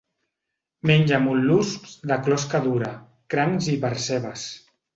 Menja mol·luscs de closca dura, crancs i percebes.